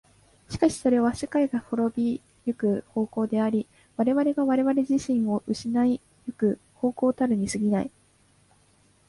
しかしそれは世界が亡び行く方向であり、我々が我々自身を失い行く方向たるに過ぎない。